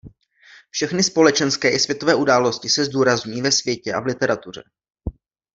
Všechny společenské i světové události se zdůrazňují ve světě a v literatuře.